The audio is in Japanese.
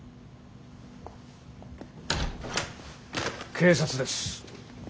警察です。